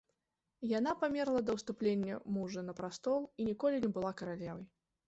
Яна памерла да ўступлення мужа на прастол і ніколі не была каралевай.